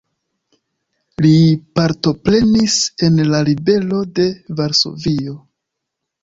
Li partoprenis en la Ribelo de Varsovio.